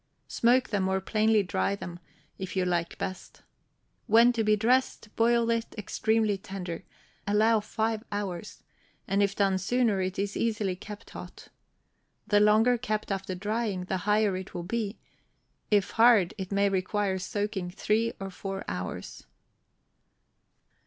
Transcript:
Smoke them or plainly dry them, if you like best. When to be dressed, boil it extremely tender; allow five hours, and if done sooner, it is easily kept hot. The longer kept after drying, the higher it will be; if hard, it may require soaking three or four hours.